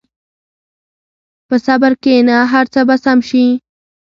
په صبر کښېنه، هر څه به سم شي.